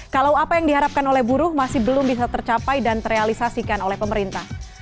kalau apa yang diharapkan oleh buruh masih belum bisa tercapai dan terrealisasikan oleh pemerintah